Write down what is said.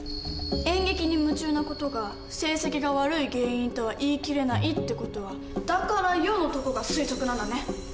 演劇に夢中な事が成績が悪い原因とは言い切れないって事は「だからよ」のとこが推測なんだね。